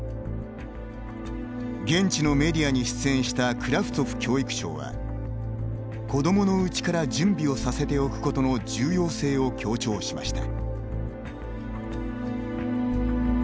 現地のメディアに出演したクラフツォフ教育相は子どものうちから準備をさせておくことの重要性を強調しました。